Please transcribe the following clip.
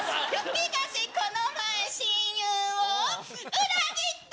ぴがしこの前親友を裏切った！